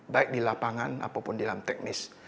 baik di lapangan apapun di dalam teknis